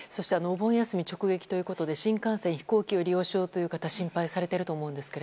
お盆休み直撃ということで新幹線や飛行機を利用する方は心配されていると思うんですが。